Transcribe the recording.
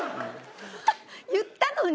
言ったのに。